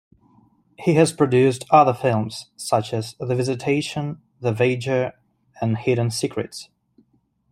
He has produced other films such as "The Visitation", "The Wager", and "Hidden Secrets".